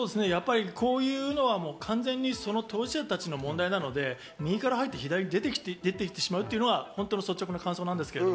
こういうのは完全に当事者たちの問題なので、右から入って左に出てきてしまうというのが率直な感想ですけど。